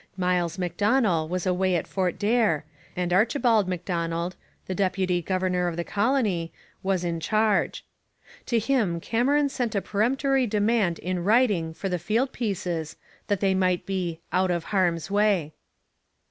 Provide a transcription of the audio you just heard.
Miles Macdonell was away at Fort Daer, and Archibald Macdonald, the deputy governor of the colony, was in charge. To him Cameron sent a peremptory demand in writing for the field pieces, that they might be 'out of harm's way.'